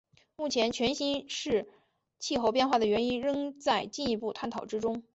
目前全新世气候变化的原因仍在进一步探讨之中。